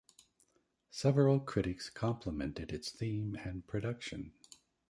Several critics complimented its theme and production.